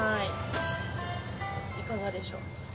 いかがでしょう？